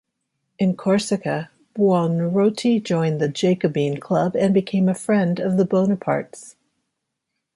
In Corsica, Buonarroti joined the Jacobin Club, and became a friend of the Bonapartes.